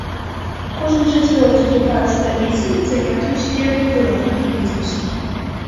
Кожны чацвёрты жыхар сталіцы заняты ў сферы прыватнага бізнэсу.